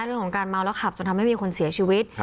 เรื่องของการเมาแล้วขับจนทำให้มีคนเสียชีวิต